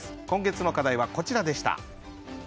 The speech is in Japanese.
今月の課題はこちらでした。